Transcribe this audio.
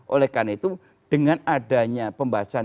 oleh karena itu dengan ada hal hal lain kita harus mencari hal hal lain